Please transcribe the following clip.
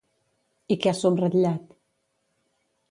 I què ha subratllat?